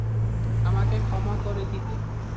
আমাকে ক্ষমা করে দিতে।